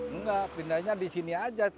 enggak pindahnya di sini aja